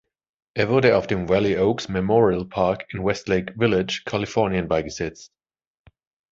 Er wurde auf dem Valley Oaks Memorial Park in Westlake Village, Kalifornien, beigesetzt.